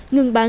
ngừng bắt giảm